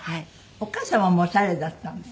お母様もオシャレだったんですって？